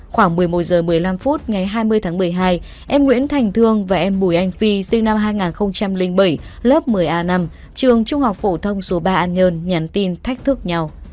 khoảng một mươi một h một mươi năm phút ngày hai mươi tháng một mươi hai em nguyễn thành thương và em bùi anh phi sinh năm hai nghìn bảy lớp một mươi a năm trường trung học phổ thông số ba an nhơn nhắn tin thách thức nhau